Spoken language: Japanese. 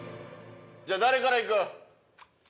じゃあ誰からいく？